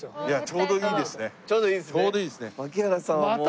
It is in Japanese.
ちょうどいいですね。